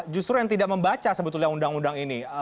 justru yang tidak membaca sebetulnya undang undang ini